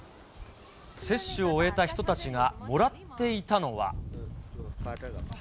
接種を終えた人たちがもらっていたのは。